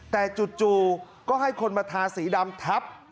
แต่จู่ก็ให้คนมาทาสีดำทับ